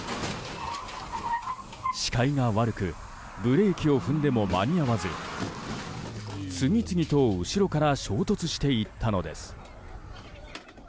視界が悪くブレーキを踏んでも間に合わず次々と後ろから衝突していったのです。